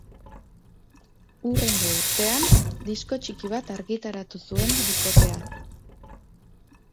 Hurrengo urtean, disko txiki bat argitaratu zuen bikoteak.